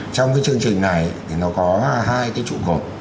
trong cái chương trình này thì nó có hai cái trụ cột